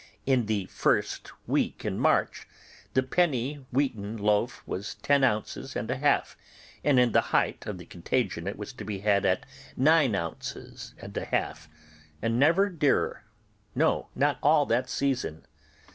in the first week in March, the penny wheaten loaf was ten ounces and a half; and in the height of the contagion it was to be had at nine ounces and a half, and never dearer, no, not all that season.